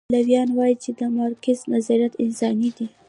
پلویان وایي چې د مارکس نظریات انساني دي.